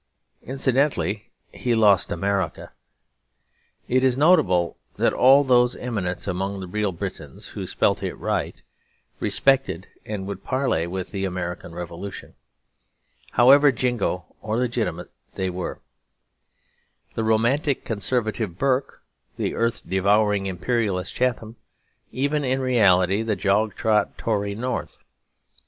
Incidentally, he lost America. It is notable that all those eminent among the real Britons, who spelt it right, respected and would parley with the American Revolution, however jingo or legitimist they were; the romantic conservative Burke, the earth devouring Imperialist Chatham, even, in reality, the jog trot Tory North.